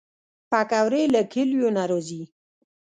پکورې له کلیو نه راځي